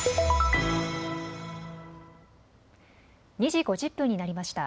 ２時５０分になりました。